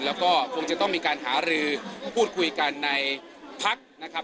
แล้วก็คงจะต้องมีการหารือพูดคุยกันในพักนะครับ